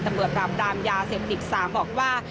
ตำรวจปราบรามยาเสพติด๓บอกว่า